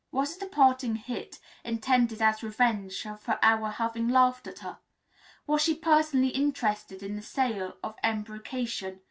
Was it a parting hit, intended as revenge for our having laughed at her? Was she personally interested in the sale of embrocation?